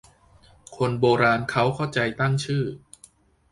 คนโบราณเค้าเข้าใจตั้งชื่อ